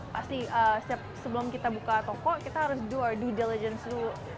pasti sebelum kita buka toko kita harus do our due diligence dulu